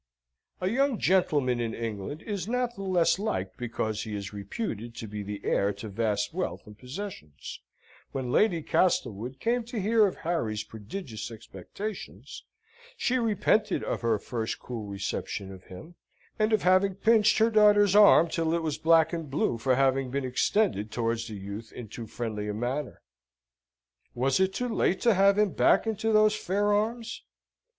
A young gentleman in England is not the less liked because he is reputed to be the heir to vast wealth and possessions; when Lady Castlewood came to hear of Harry's prodigious expectations, she repented of her first cool reception of him, and of having pinched her daughter's arm till it was black and blue for having been extended towards the youth in too friendly a manner. Was it too late to have him back into those fair arms?